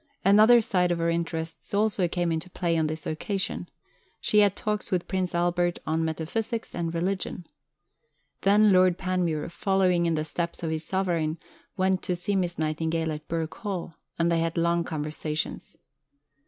Another side of her interests also came into play on this occasion. She had talks with Prince Albert "on metaphysics and religion." Then Lord Panmure, following in the steps of his Sovereign, went to see Miss Nightingale at Birk Hall, and they had long conversations.